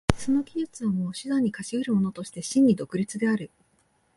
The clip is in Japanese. その技術をも手段に化し得るものとして真に独立である。